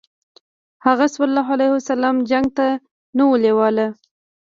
هغه ﷺ جنګ ته نه و لېواله.